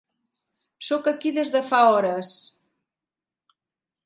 Soc aquí des de fa hores.